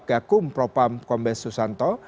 jakum propam kombes susanto